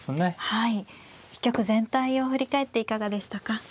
一局全体を振り返っていかがでしたか。